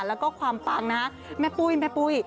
แล้วก็ความปังนะแม่ปุ้ย